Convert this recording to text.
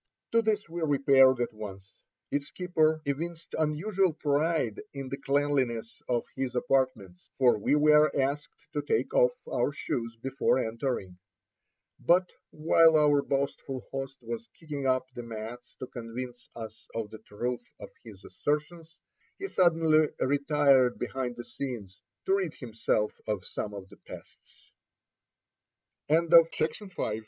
To this we repaired at once. Its keeper evinced unusual pride in the cleanliness of his apartments, for we were asked to take Ill 89 IN A PERSIAN GRAVEYARD. off our shoes before entering. But while our boastful host was kicking up the mats to convince us of the truth of his assertions, he suddenly retired behind the scenes to rid himself o